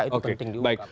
itu penting diungkap